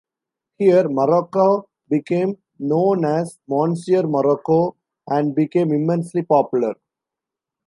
Here Marocco became known as "Monsieur Moraco", and became immensely popular.